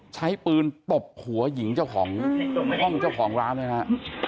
ใช้ปืนตบหัวหญิงเจ้าของห้องเจ้าของร้านเลยนะฮะ